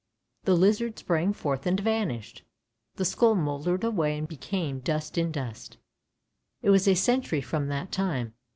The lizard sprang forth and vanished ; the skull mouldered away and became dust in dust. It was a century from that time.